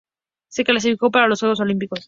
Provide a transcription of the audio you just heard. Se clasificó para los Juegos Olímpicos.